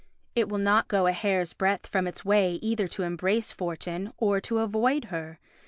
It will not go a hair's breadth from its way either to embrace fortune or to avoid her.